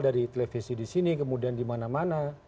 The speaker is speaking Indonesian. dari televisi di sini kemudian di mana mana